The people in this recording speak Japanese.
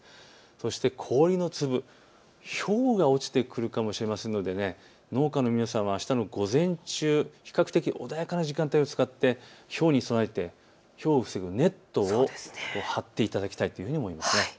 そして氷の粒、ひょうが落ちてくるかもしれませんので農家の皆さんはあしたの午前中、比較的穏やかな時間を使ってひょうに備えてネットを張っていただきたいというふうに思います。